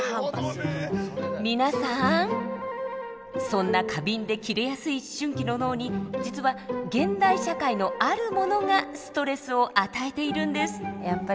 そんな過敏でキレやすい思春期の脳に実は現代社会のあるものがストレスを与えているんです。